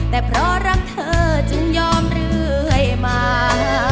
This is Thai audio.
แต่เพราะรักเธอจึงยอมเรื่อยมา